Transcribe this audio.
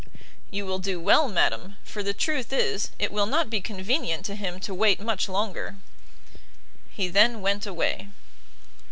"You will do well, madam; for the truth is, it will not be convenient to him to wait much longer." He then went away.